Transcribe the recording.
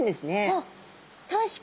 あっ確かに！